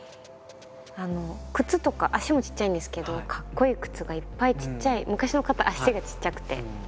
靴とか足もちっちゃいんですけどかっこいい靴がいっぱいちっちゃい昔の方足がちっちゃくて。